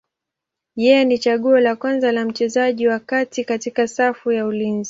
Yeye ni chaguo la kwanza la mchezaji wa kati katika safu ya ulinzi.